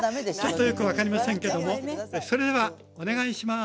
ちょっとよく分かりませんけどもそれではお願いします。